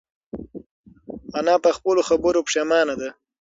انا په خپلو خبرو پښېمانه ده.